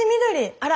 あら。